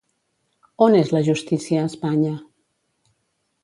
On és la justícia a Espanya?